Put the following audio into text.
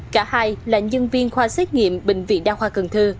cả hai là nhân viên khoa xét nghiệm bệnh viện đa khoa cần thơ